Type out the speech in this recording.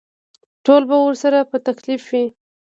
ټول به ورسره په تکلیف وي.